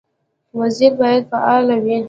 وزیر باید فعال وي